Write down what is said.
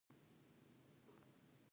ښارونه د اړتیاوو د پوره کولو وسیله ده.